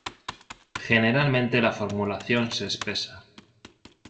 Generalmente la formulación se espesa.